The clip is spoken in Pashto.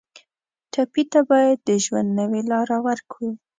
ټپي ته باید د ژوند نوې لاره ورکړو.